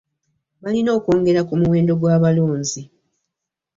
Balina okwongera ku muwendo gw'abalonzi.